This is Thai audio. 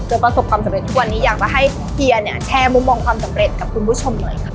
ประสบความสำเร็จทุกวันนี้อยากจะให้เกียร์เนี่ยแชร์มุมมองความสำเร็จกับคุณผู้ชมหน่อยค่ะ